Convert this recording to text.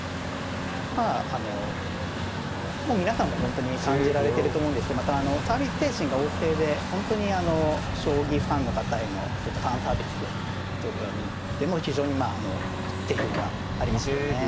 まああのもう皆さんも本当に感じられてると思うんですけどまたあのサービス精神が旺盛で本当に将棋ファンの方へのファンサービスですとかでも非常にまああの定評がありますよね。